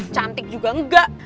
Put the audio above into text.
cantik juga enggak